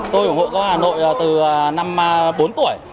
tôi ủng hộ công an hà nội là từ năm bốn tuổi